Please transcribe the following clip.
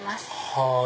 はい。